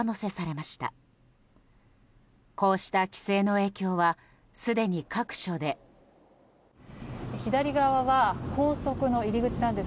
こうした規制の影響はすでに各所で。